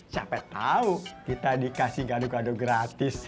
siapa tahu kita dikasih gado gado gratis